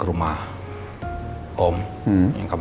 birunya bukan yang baru